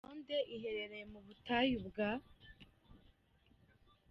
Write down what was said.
rutonde iherereye mu butayu bwa.